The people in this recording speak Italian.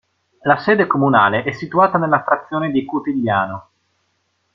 La sede comunale è situata nella frazione di Cutigliano.